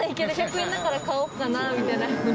１００円だから買おうかなみたいな？